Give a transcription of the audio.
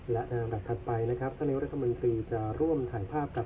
และในระดับถัดไปนะครับท่านนายกรัฐมนตรีจะร่วมถ่ายภาพกับ